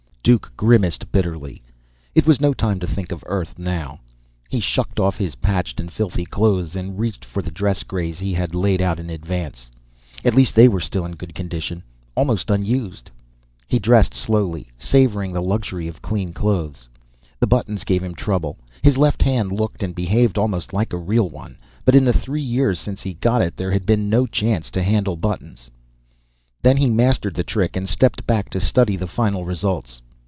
Duke grimaced bitterly. It was no time to think of Earth now. He shucked off his patched and filthy clothes and reached for the dress grays he had laid out in advance; at least they were still in good condition, almost unused. He dressed slowly, savoring the luxury of clean clothes. The buttons gave him trouble; his left hand looked and behaved almost like a real one, but in the three years since he got it, there had been no chance to handle buttons. Then he mastered the trick and stepped back to study the final results.